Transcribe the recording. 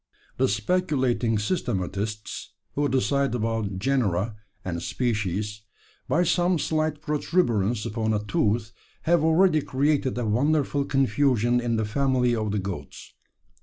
"The speculating systematists who decide about genera and species, by some slight protuberance upon a tooth have already created a wonderful confusion in the family of the goats.